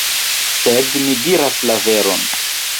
Sed mi diras la veron!